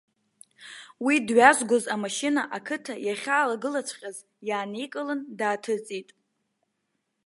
Уи дҩазгоз амашьына ақыҭа иахьаалагылаҵәҟьаз иааникылан дааҭыҵит.